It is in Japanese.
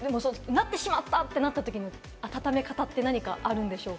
なってしまった！ってなったときの温め方って何かあるんでしょうか？